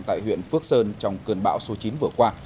tại huyện phước sơn trong cơn bão số chín vừa qua